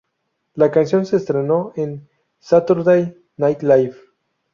La canción se estrenó en "Saturday Night Live".